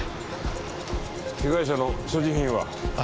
被害者の所持品は？